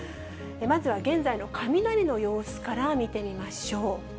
まずは現在の雷の様子から見てみましょう。